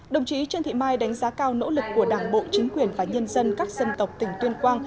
đồng chí trương thị mai đánh giá cao nỗ lực của đảng bộ chính quyền và nhân dân các dân tộc tỉnh tuyên quang